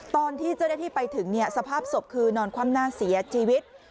ตอนที่เจ้าได้ที่ไปถึงเนี่ยสภาพศพคือนอนความน่าเสียชีวิต